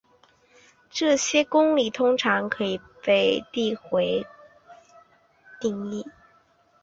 这些公理通常可以被递回地定义。